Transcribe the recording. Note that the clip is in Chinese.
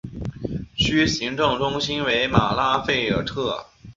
区行政中心为马拉费尔特。